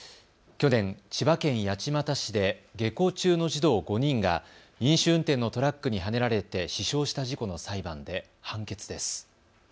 去年、千葉県八街市で下校中の児童５人が飲酒運転のトラックにはねられて死傷した事故の裁判で判決です。